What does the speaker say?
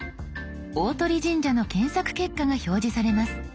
大鳥神社の検索結果が表示されます。